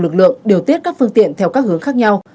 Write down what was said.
lực lượng điều tiết các phương tiện theo các hướng khác nhau